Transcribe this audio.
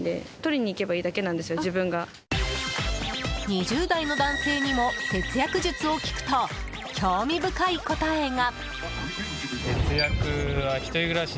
２０代の男性にも節約術を聞くと、興味深い答えが。